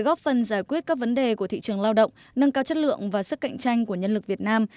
góp phần giải quyết các vấn đề của thị trường lao động nâng cao chất lượng và sức cạnh tranh của nhân lực việt nam